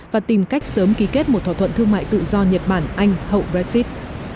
và tìm cách sớm ký kết một thỏa thuận thương mại tự do nhật bản anh hậu brexit